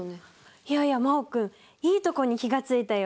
いやいや真旺君いいところに気が付いたよ。